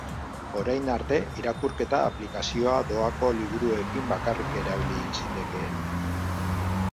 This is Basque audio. Orain arte, irakurketa aplikazioa doako liburuekin bakarrik erabili zitekeen.